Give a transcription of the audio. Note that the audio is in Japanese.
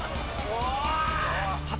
おい！